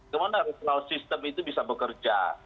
kemana sistem itu bisa bekerja